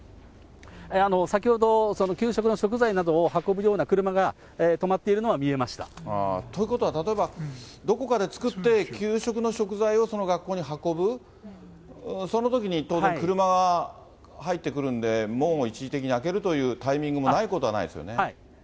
先ほど、給食の食材などを運ぶような車が止まっているのは見ということは例えば、どこかで作って給食の食材をその学校に運ぶ、そのときにちょうど車が入ってくるんで、門を一時的に開けるというタイミングもないことはないですよね。